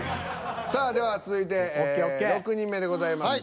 さあでは続いて６人目でございます。